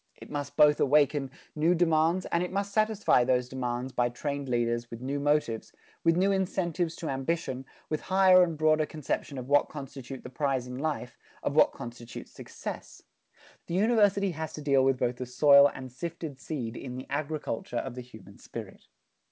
It must both awaken new demands and it must satisfy those demands by trained leaders with new motives, with new incentives to ambition, with higher and broader conception of what constitute the prize in life, of what constitutes success. The University has to deal with both the soil and sifted seed in the agriculture of the human spirit.